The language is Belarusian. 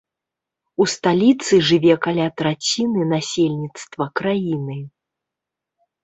У сталіцы жыве каля траціны насельніцтва краіны.